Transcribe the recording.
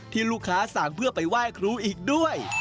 ที่ลูกค้าสั่งเพื่อไปไหว้ครูอีกด้วย